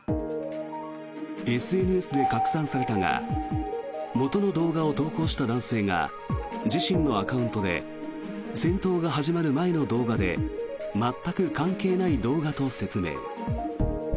ＳＮＳで拡散されたが元の動画を投稿した男性が自身のアカウントで戦闘が始まる前の動画で全く関係ない動画と説明。